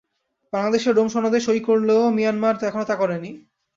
Bangladesh Rome সনদে সই করলেও মিয়ানমার এখনো তা করেনি।